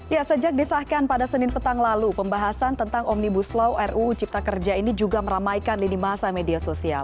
ya sejak disahkan pada senin petang lalu pembahasan tentang omnibus law ruu cipta kerja ini juga meramaikan lini masa media sosial